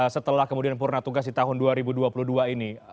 setelah kemudian purna tugas di tahun dua ribu dua puluh dua ini